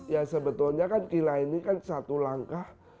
ya sebetulnya kan kila ini kan satu langkah